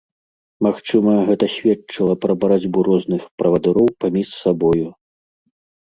Магчыма, гэта сведчыла пра барацьбу розных правадыроў паміж сабою.